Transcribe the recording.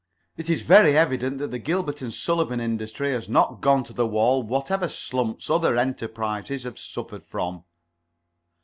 It is very evident that the Gilbert and Sullivan industry hasn't gone to the wall whatever slumps other enterprises have suffered from."